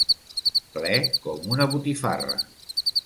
Ple com una botifarra.